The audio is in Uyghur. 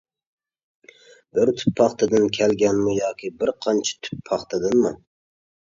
«بىر تۈپ پاختىدىن كەلگەنمۇ ياكى بىر قانچە تۈپ پاختىدىنمۇ؟ ».